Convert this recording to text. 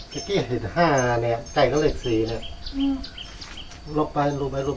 เจ้าคิดห้าเนี้ยไก่ก็เลยสี่เนี้ยอืมลบไปลบไปลบ